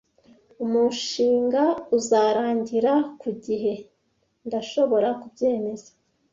"Umushinga uzarangira ku gihe?" "Ndashobora kubyemeza."